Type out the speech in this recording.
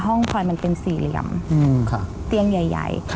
พลอยมันเป็นสี่เหลี่ยมเตียงใหญ่